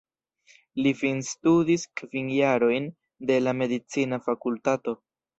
Li finstudis kvin jarojn de la medicina fakultato.